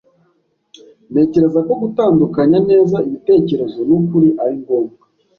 Ntekereza ko gutandukanya neza ibitekerezo nukuri ari ngombwa.